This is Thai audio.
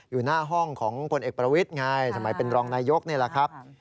อยู่หน้าห้องของพลเอกประวิทย์ไงสมัยเป็นรองนายกนี่แหละครับ